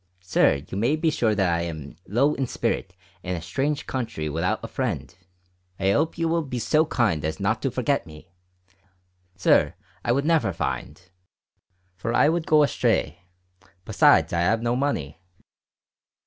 Sir you may be sure that i ham low in spirit in a strange contry without a friend. I hope you will be so kind as not to forget me. Sir, I would never find for I would go astray, besides i have no money."